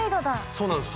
そうなんです。